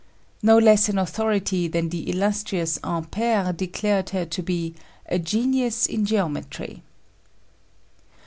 No less an authority than the illustrious Ampère declared her to be "a genius in geometry."